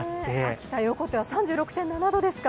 秋田・横手は３６．７度でしたか。